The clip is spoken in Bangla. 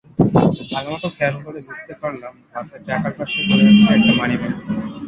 ভালোমতো খেয়াল করে বুঝতে পারলাম বাসের চাকার পাশে পড়ে আছে একটা মানিব্যাগ।